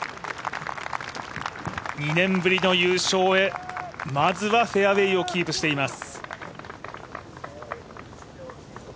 ２年ぶりの優勝へ、まずはフェアウエーをキープしています。